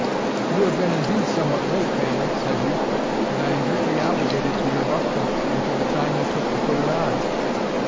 "You have been indeed somewhat late, bailie," said he, "and I am greatly obligated to your buff coat, and to the time you took to put it on.